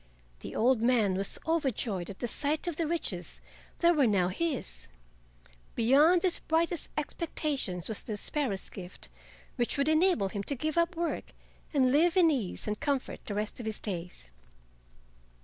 The old man was overjoyed at the sight of the riches that were now his. Beyond his brightest expectations was the sparrow's gift, which would enable him to give up work and live in ease and comfort the rest of his days.